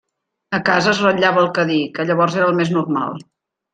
A casa es ratllava el Cadí, que llavors era el més normal.